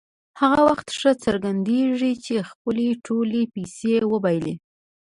هغه وخت ښه څرګندېږي چې خپلې ټولې پیسې وبایلي.